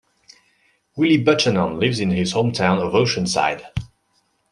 Willie Buchanon lives in his hometown of Oceanside.